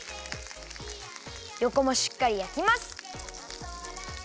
よこもしっかりやきます。